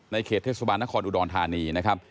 เขตเทศบาลนครอุดรธานีนะครับ